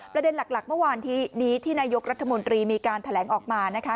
ประเด็นหลักเมื่อวานนี้นี้ที่นายกรัฐมนตรีมีการแถลงออกมานะคะ